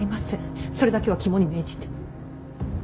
それだけは肝に銘じて。